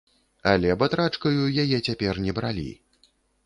Але батрачкаю яе цяпер не бралі.